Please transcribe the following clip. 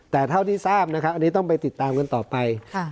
แต่เท่าที่ทราบนะครับอันนี้ต้องไปติดตามกันต่อไป